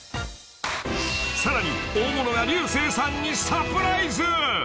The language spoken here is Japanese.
［さらに大物が竜星さんにサプライズ］